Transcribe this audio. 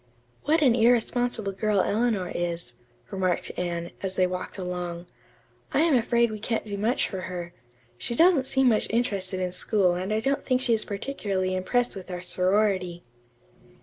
"What an irresponsible girl Eleanor is," remarked Anne, as they walked along. "I am afraid we can't do much for her. She doesn't seem much interested in school and I don't think she is particularly impressed with our sorority."